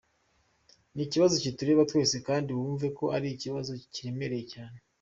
ni ikibazo kitureba twese kandi wumve ko ari ikibazo kiremereye cyane.